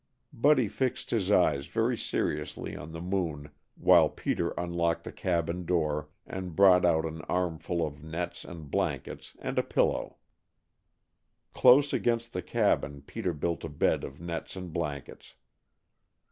Buddy fixed his eyes very seriously on the moon, while Peter unlocked the cabin door and brought out an armful of nets and blankets and a pillow. Close against the cabin Peter built a bed of nets and blankets.